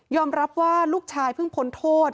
รับว่าลูกชายเพิ่งพ้นโทษ